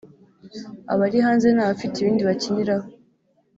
abari hanze ni abafite ibindi bakiniraho